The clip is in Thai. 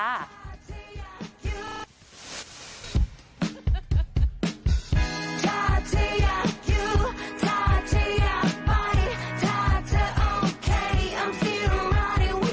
โอเคอันที่นั่งรอดี้วิทยู